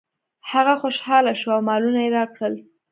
هغه خوشحاله شو او مالونه یې راکړل.